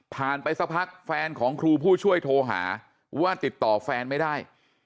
ไปสักพักแฟนของครูผู้ช่วยโทรหาว่าติดต่อแฟนไม่ได้